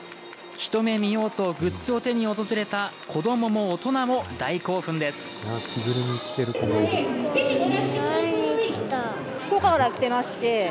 一目見ようとグッズを手に訪れた子どもも大人も大興奮です。ね。